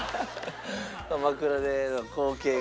鎌倉での光景が。